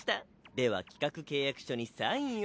では企画契約書にサインを！